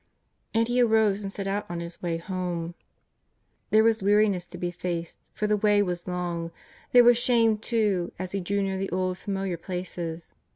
And he arose and set out on his way home. There JESUS OF NAZARETH. 283 was weariness to be faced, for the way was long. There was shame, too, as he drew near the old, familiar places.